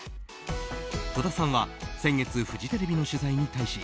戸田さんは先月フジテレビの取材に対し